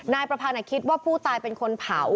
นายประพันธ์คิดว่าผู้ตายเป็นคนเผา